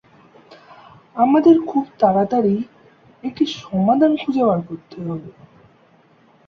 আমাদের খুব তারাতারিই একটি সমাধান খুঁজে বার করতে হবে।